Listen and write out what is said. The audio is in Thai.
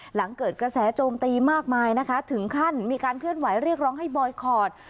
หลังเกิดกระแสโจมตีมากมายนะคะถึงขั้นมีการเคลื่อนไหวเรียกร้องให้บอยคอร์ด